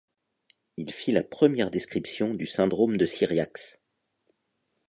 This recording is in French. Il fit la première description du Syndrome de Cyriax.